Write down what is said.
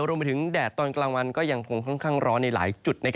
รวมไปถึงแดดตอนกลางวันก็ยังคงค่อนข้างร้อนในหลายจุด